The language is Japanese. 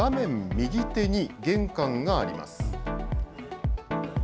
右手に玄関があります。